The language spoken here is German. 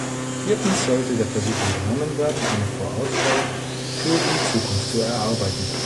Viertens sollte der Versuch unternommen werden, eine Vorausschau für die Zukunft zu erarbeiten.